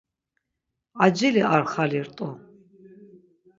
Acili ar xali rt̆u.